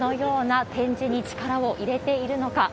では、なぜこのような展示に力を入れているのか。